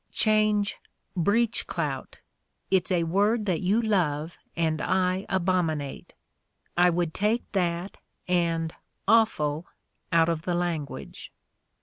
Change "breech clout." It's a word that you love and I abominate. I would take that and "offal" out of the language.